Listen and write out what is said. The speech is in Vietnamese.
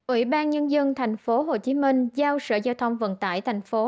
ủy ban nhân dân tp hcm giao sở giao thông vận tải thành phố